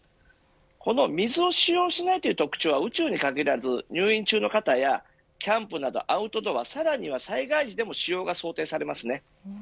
この水を使用しないという特徴は宇宙に限らず入院中の方や、キャンプなどアウトドア、さらには災害時でも使用が想定されますね。